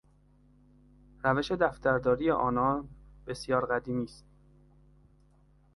روش دفترداری آنان بسیار قدیمی است.